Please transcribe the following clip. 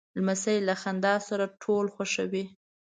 لمسی له خندا سره ټول خوښوي.